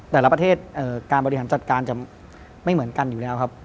แต่ละประเทศการบริหารจัดการจะไม่เหมือนกันอยู่แล้วครับ